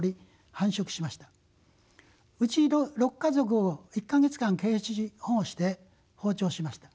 うち６家族を１か月間ケージ保護して放鳥しました。